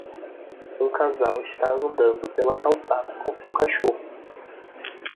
um casal está andando pela calçada com seu cachorro